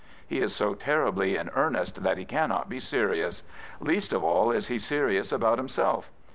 He is so terribly in earnest that he cannot be serious. Least of all is he serious about himself.